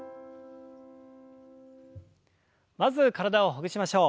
まず体をほぐしましょう。